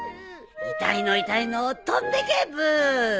痛いの痛いの飛んでけブー！